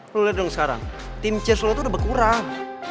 lo lihat dong sekarang tim cheers lo tuh udah berkurang